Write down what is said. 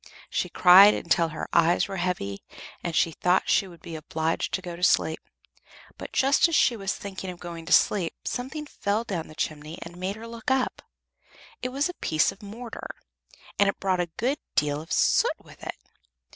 She cried until her eyes were heavy, and she thought she would be obliged to go to sleep. But just as she was thinking of going to sleep, something fell down the chimney and made her look up. It was a piece of mortar, and it brought a good deal of soot with it.